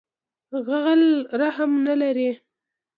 غل رحم نه لری